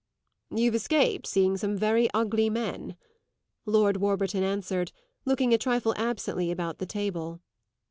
"You've escaped seeing some very ugly men," Lord Warburton answered, looking a trifle absently about the table.